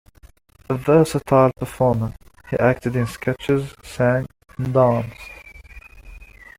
A versatile performer, he acted in sketches, sang, and danced.